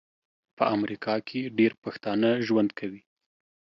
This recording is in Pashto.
په امریکا کې ډیر پښتانه ژوند کوي